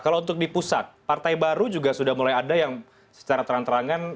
kalau untuk di pusat partai baru juga sudah mulai ada yang secara terang terangan